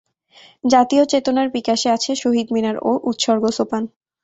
জাতীয় চেতনার বিকাশে আছে শহীদ মিনার ও উৎসর্গ সোপান।